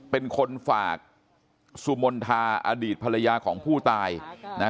เป็นคนฝากสุมนธาอดีตภรรยาของผู้ตายนะ